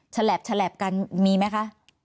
ฉลับฉลับกันมีไหมคะ